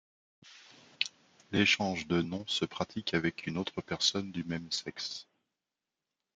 L’échange de nom se pratique avec une autre personne du même sexe.